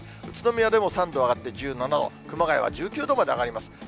宇都宮でも３度上がって１７度、熊谷は１９度まで上がります。